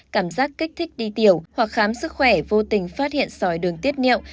cảm giác kích thích đi tiểu hoặc khám sức khỏe vô tình phát hiện sỏi đường tiết niệu